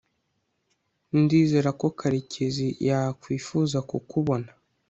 ndizera ko karekezi yakwifuza kukubona